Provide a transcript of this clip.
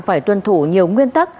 phải tuân thủ nhiều nguyên tắc